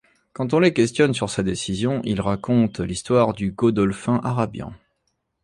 Quand on les questionne sur sa décision, ils racontent l'histoire du Godolphin Arabian.